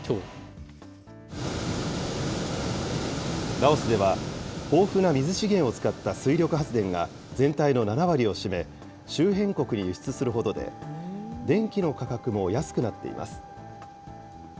ラオスでは、豊富な水資源を使った水力発電が全体の７割を占め、周辺国に輸出するほどで、電気の価格も安くなっています。